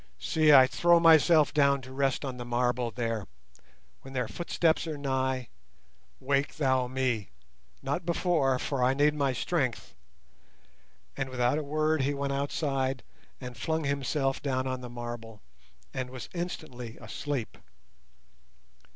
See, I throw myself down to rest on the marble there; when their footsteps are nigh, wake thou me, not before, for I need my strength," and without a word he went outside and flung himself down on the marble, and was instantly asleep.